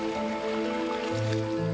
aku pergi ikan